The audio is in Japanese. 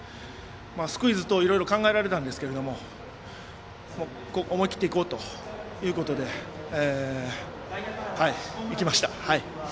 スクイズ等、いろいろ考えられたんですが思い切っていこうということでいきました。